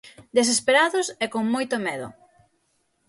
Desesperados e con moito medo.